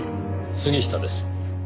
杉下です。